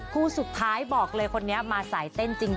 คู่สุดท้ายบอกเลยคนนี้มาสายเต้นจริง